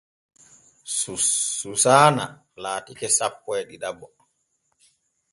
Suusana laatake sappo e ɗiɗaɓo.